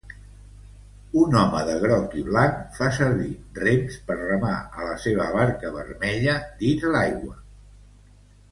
Un home de groc i blanc fa servir rems per remar a la seva barca vermella dins l'aigua.